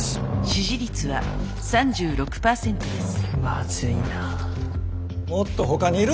支持率は３５％です。